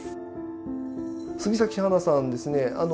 杉咲花さんですね